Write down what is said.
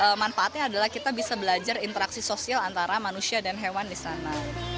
nah manfaatnya adalah kita bisa belajar interaksi sosial antara manusia dan hewan di sana